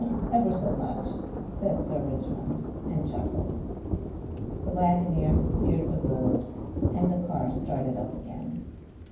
"Ever so much," said Sir Richmond and chuckled. The waggoner cleared the road and the car started up again.